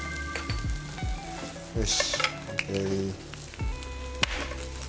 よし！